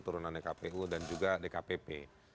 turunan dkpu dan juga dkpp